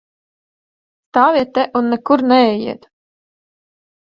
Stāviet te un nekur neejiet!